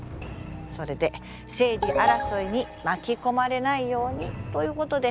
それで政治争いに巻き込まれないようにということでわし